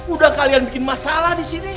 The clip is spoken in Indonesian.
udah kalian bikin masalah disini